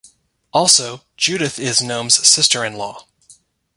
Also, Judith is Noam's sister in-law.